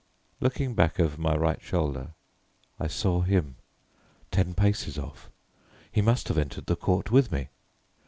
Looking back over my right shoulder, I saw him, ten paces off. He must have entered the court with me.